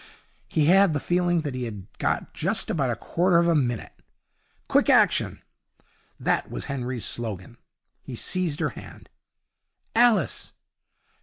He had the feeling that he had got just about a quarter of a minute. Quick action! That was Henry's slogan. He seized her hand. 'Alice!'